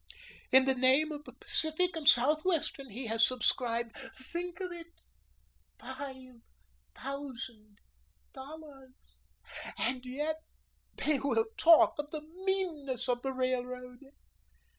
In the name of the Pacific and Southwestern he has subscribed, think of it, five thousand dollars; and yet they will talk of the meanness of the railroad."